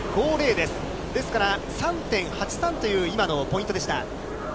ですから３．８３という今のポイントでした。